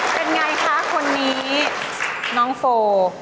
เป็นอย่างไรคะคนนี้น้องโฟร์